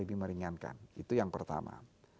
lebih meringankan itu yang pertama